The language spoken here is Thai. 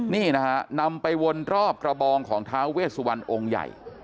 นี่นะฮะนำไปวนรอบกระบองของท้าเวสวันองค์ใหญ่